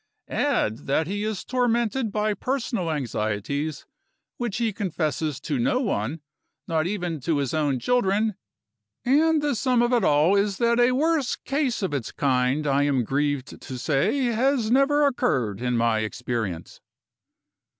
Add that he is tormented by personal anxieties, which he confesses to no one, not even to his own children and the sum of it all is that a worse case of its kind, I am grieved to say, has never occurred in my experience."